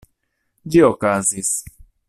Ĝi okazis.